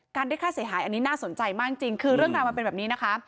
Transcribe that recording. ได้ค่าเสียหายอันนี้น่าสนใจมากจริงคือเรื่องราวมันเป็นแบบนี้นะคะ